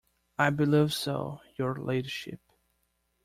I believe so, your ladyship.